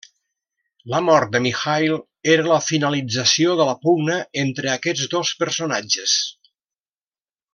La mort de Mikhaïl era la finalització de la pugna entre aquests dos personatges.